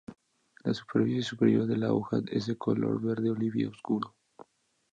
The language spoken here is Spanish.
La superficie superior de la hoja es de color verde oliva oscuro.